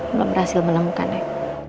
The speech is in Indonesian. belum berhasil menemukan nek